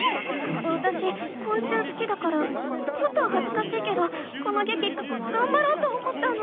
わたしこん虫すきだからちょっとはずかしいけどこのげきがんばろうと思ったの。